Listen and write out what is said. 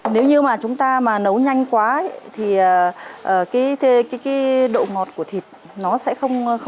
nếu như mà chúng ta mà nấu nhanh quá thì cái độ ngọt của thịt nó sẽ không